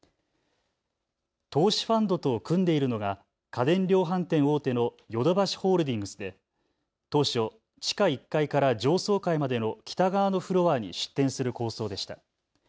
投資ファンドと組んでいるのが家電量販店大手のヨドバシホールディングスで当初、地下１階から上層階までの北側のフロアに出店する構想でした。